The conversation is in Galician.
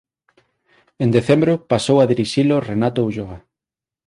En decembro pasou a dirixilo Renato Ulloa.